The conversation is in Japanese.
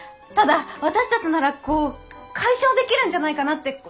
ただ私たちなら解消できるんじゃないかなって。